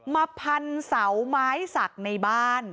มาพันเสาไม้สักในบ้าน